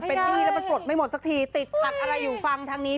เป็นหนี้แล้วมันปลดไม่หมดสักทีติดขัดอะไรอยู่ฟังทางนี้